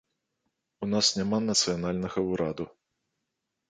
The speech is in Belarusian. У нас няма нацыянальнага ўраду.